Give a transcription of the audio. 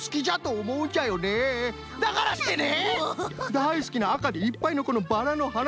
だいすきなあかでいっぱいのこのバラのはな